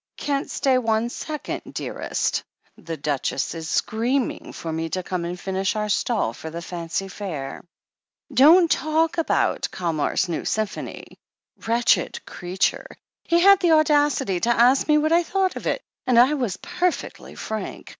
"... Can't stay one second, dearest. The Duchess is screaming for me to come and finish our stall for the Fancy Fair. ..." "Don't talk about Calmar's New S3rmphony! Wretched creature! He had the audacity to ask me what I thought of it, and I was perfectly frank.